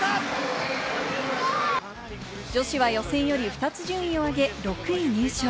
女子は予選より２つ順位を上げ、６位入賞。